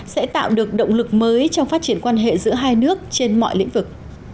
sẽ tạo được động lực mới trong phát triển quan hệ giữa hai nước trên mọi lĩnh vực